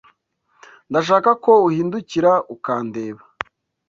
Ndashaka ko uhindukira ukandeba.